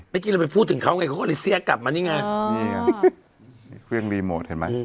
เมื่อกี้เราไปพูดถึงเขาไงเขาก็เลยเสี้ยกลับมานี่ไงนี่ไงเครื่องรีโมทเห็นไหม